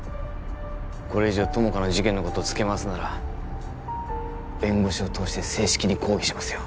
これ以上友果の事件のこと付け回すなら弁護士を通して正式に抗議しますよ